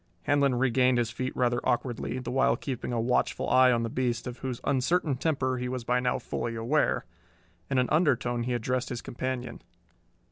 Handlon regained his feet rather awkwardly, the while keeping a watchful eye on the beast, of whose uncertain temper he was by now fully aware. In an undertone he addressed his companion.